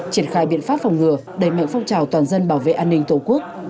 triển khai biện pháp phòng ngừa đẩy mạnh phong trào toàn dân bảo vệ an ninh tổ quốc